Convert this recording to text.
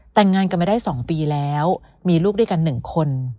แต่งงานกันไม่ได้สองปีแล้วมีลูกด้วยกันหนึ่งคน